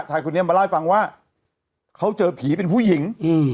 ชายคนนี้มาเล่าให้ฟังว่าเขาเจอผีเป็นผู้หญิง